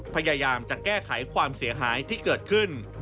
พยายามจะแก้ไขความเสียหายที่เกิดขึ้น